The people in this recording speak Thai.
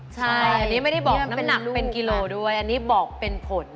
ใช่อันนี้ไม่ได้บอกน้ำหนักเป็นกิโลด้วยอันนี้บอกเป็นผล